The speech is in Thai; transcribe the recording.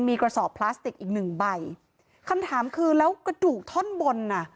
มีกระสอบพลาสติกอีกหนึ่งใบคำถามคือแล้วกระดูกท่อนบนอ่ะ